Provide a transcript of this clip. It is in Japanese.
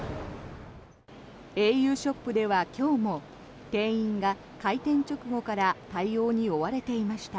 ａｕショップでは今日も店員が開店直後から対応に追われていました。